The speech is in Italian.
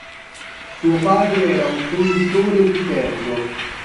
Suo padre era un fonditore di ferro.